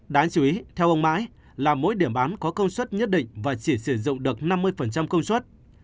đáng chú ý theo ông mãi là mỗi điểm bán có công suất nhất định và chỉ sử dụng được năm mươi công suất